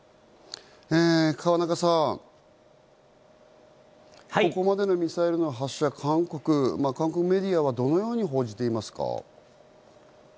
河中さん、ここまでのミサイルの発射、韓国メディアはどのように報じていますか？